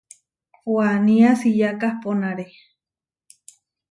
Huanía siyá kahpónare.